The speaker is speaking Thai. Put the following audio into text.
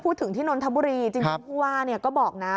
พูดถึงที่นนทบุรีจริงผู้ว่าก็บอกนะ